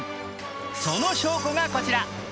その証拠がこちら。